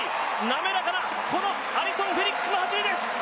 滑らかな、このアリソン・フェリックスの走りです。